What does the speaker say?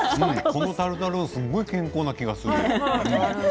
このタルタルすごく健康な気がする。